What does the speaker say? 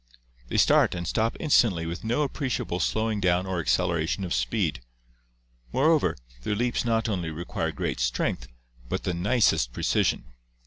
They start and stop instantly with no appreciable slowing down or acceleration of speed. More over, their leaps not only require great strength, but the nicest precision.